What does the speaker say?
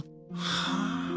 はあ。